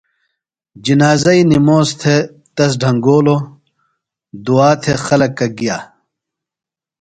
جنازئیۡ نِموس تھےۡ تس ڈھنگولوۡ دعا تھےۡ خلک گِیہ ۔